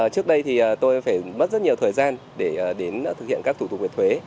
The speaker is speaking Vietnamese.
trước đây thì tôi phải mất rất nhiều thời gian để đến thực hiện các thủ tục về thuế